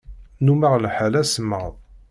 Nnummeɣ lḥal asemmaḍ.